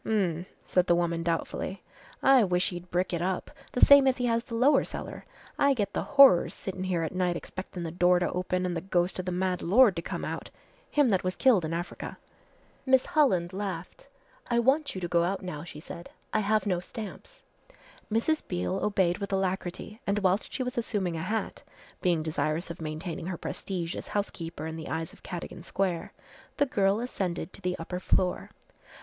"H'm," said the woman doubtfully, "I wish he'd brick it up the same as he has the lower cellar I get the horrors sittin' here at night expectin' the door to open an' the ghost of the mad lord to come out him that was killed in Africa." Miss Holland laughed. "I want you to go out now," she said, "I have no stamps." Mrs. Beale obeyed with alacrity and whilst she was assuming a hat being desirous of maintaining her prestige as housekeeper in the eyes of Cadogan Square, the girl ascended to the upper floor.